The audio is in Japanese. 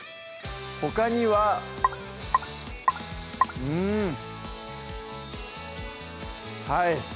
ほかにはうんはい